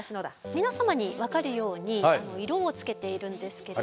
皆様に分かるように色をつけているんですけれども。